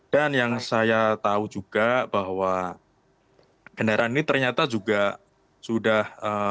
dan yang saya tahu juga bahwa kendaraan ini ternyata juga sudah